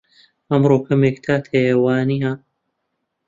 ئەمڕۆ کەمێک تات هەیە، وانییە؟